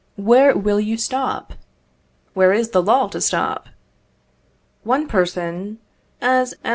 Where will you stop? Where is the law to stop? One person, as M.